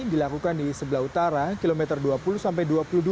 dilakukan di sebelah utara kilometer dua puluh sampai dua puluh dua